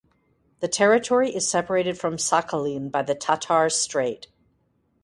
The Territory is separated from Sakhalin by the Tatar Strait.